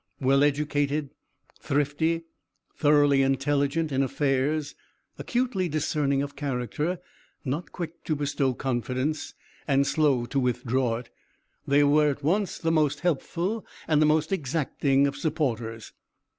Well educated, thrifty, thoroughly intelligent in affairs, acutely discerning of character, not quick to bestow confidence, and slow to withdraw it, they were at once the most helpful and most exacting of supporters.